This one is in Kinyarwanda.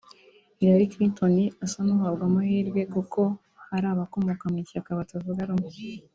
Hillary Clinton asa n’uhabwa amahirwe kuko hari abakomoka mu ishyaka batavuga rumwe